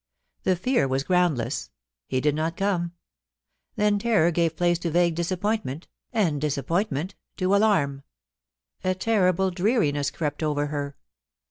The fear' was groundless ; he did not come. Then terror gave place to vague disappointment, and disappointment to alarm. A terrible dreariness crept over her.